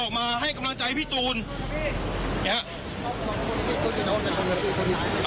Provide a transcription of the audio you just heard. ออกมาให้กำลังใจให้พี่ตูนนี่ครับ